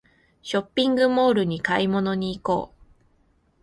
ショッピングモールに買い物に行こう